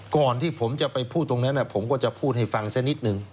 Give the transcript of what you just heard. ก่อนที่ผมจะไปพูดตรงนั้นผมก็จะพูดให้ฟังซะนิดนึง